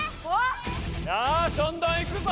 よしどんどんいくぞ！